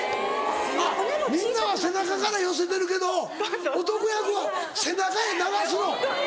あっみんなは背中から寄せてるけど男役は背中へ流すの。